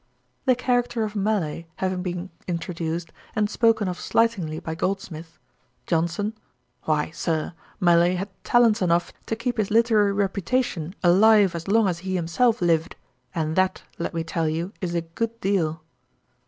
The character of Mallet having been introduced, and spoken of slightingly by Goldsmith; JOHNSON. 'Why, Sir, Mallet had talents enough to keep his literary reputation alive as long as he himself lived; and that, let me tell you, is a good deal.'